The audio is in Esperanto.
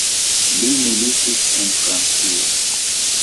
Li militis en Francio.